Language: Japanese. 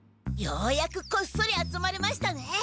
ようやくこっそり集まれましたね！